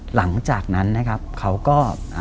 หลังจากนั้นนะครับเขาก็